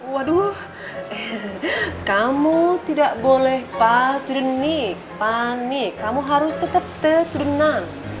waduh kamu tidak boleh paturnik panik kamu harus tetep teturnang